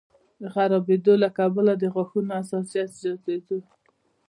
خرابېدو له کبله د غاښونو حساسیت زیاتېدو